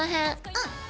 うん。